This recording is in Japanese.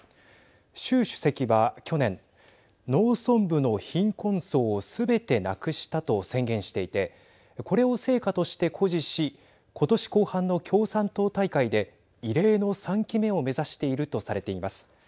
習主席は去年農村部の貧困層をすべて無くしたと宣言していてこれを成果として誇示しことし後半の共産党大会で異例の３期目を目指しているとされています。